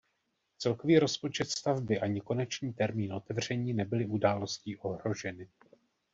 Celkový rozpočet stavby ani konečný termín otevření nebyly událostí ohroženy.